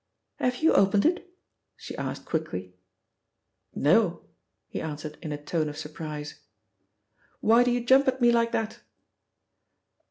"Have you opened it?" she asked quickly. "No," he answered in a tone of surprise. "Why do you jump at me like that?"